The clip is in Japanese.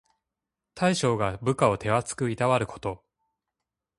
大将が部下を手あつくいたわること。